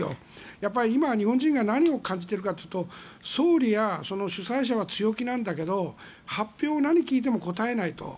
やっぱり今、日本人が何を感じているかというと総理やその主催者は強気なんだけど発表は何を聞かれても答えないと。